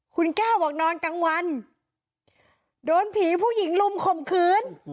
คุณแก้วบอกนอนกลางวันโดนผีผู้หญิงลุมข่มขืน